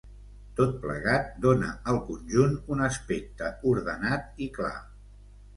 Tot plegat dóna al conjunt un aspecte ordenat i clar.